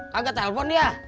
kagak telfon dia